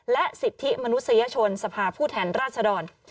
และสิทธิมนุษยชนสภาพผู้แทนราชดร